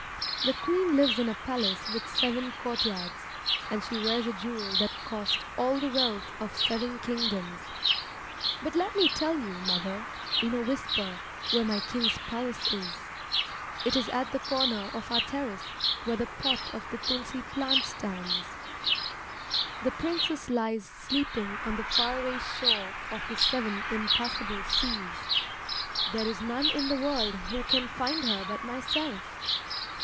The queen lives in a palace with seven courtyards, and she wears a jewel that cost all the wealth of seven kingdoms. But let me tell you, mother, in a whisper, where my king's palace is. It is at the corner of our terrace where the pot of the tulsi plant stands. The princess lies sleeping on the far away shore of the seven impassable seas. There is none in the world who can find her but myself.